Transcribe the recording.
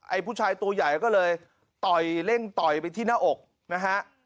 ผู้ชายตัวใหญ่ก็เลยต่อยเร่งต่อยไปที่หน้าอกนะฮะ